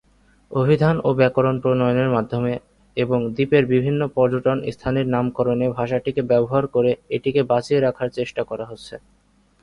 অভিধান ও ব্যাকরণ প্রণয়নের মাধ্যমে এবং দ্বীপের বিভিন্ন পর্যটন স্থানের নামকরণে ভাষাটিকে ব্যবহার করে এটিকে বাঁচিয়ে রাখার চেষ্টা করা হচ্ছে।